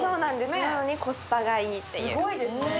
なのにコスパがいいという。